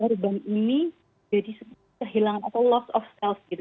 korban ini jadi kehilangan atau loss of self gitu